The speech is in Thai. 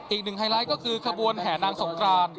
อีกหนึ่งไฮไลท์ก็คือขบวนแห่นางสงคราน